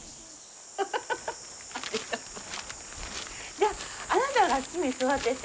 じゃああなたがあっちに座ってて。